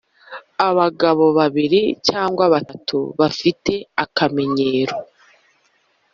abagabo babiri cyangwa batatu bafite akamenyero